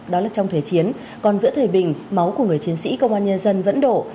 đó là trong thời chiến còn giữa thời bình máu của người chiến sĩ công an nhân dân vẫn đổ